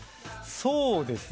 そうですね。